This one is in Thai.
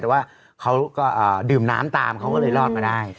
แต่ว่าเขาก็ดื่มน้ำตามเขาก็เลยรอดมาได้